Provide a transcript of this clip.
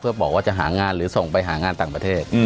เพื่อบอกว่าจะหางานหรือส่งไปหางานต่างประเทศ